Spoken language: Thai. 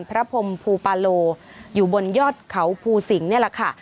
พระพรมภูปาโลอยู่บนยอดเขาภูสิงนี่แหละค่ะ